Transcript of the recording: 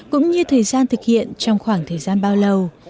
cũng như thời gian thực hiện trong khoảng thời gian bao lâu